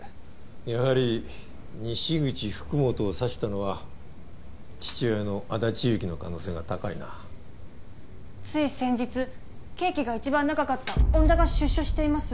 やはり西口福本を刺したのは父親の安達祐樹の可能性が高いなつい先日刑期が一番長かった恩田が出所しています